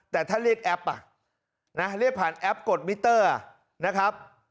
แต่ถ้าเรียกแอปเรียกผ่านแอปกดมิเตอร์นะครับ